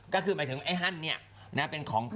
ก็คือซึ่งไอซ์กับจียอนเป็นเพื่อนกัน